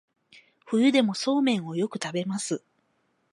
冬でもそうめんをよく食べます